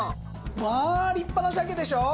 まあ立派な鮭でしょ？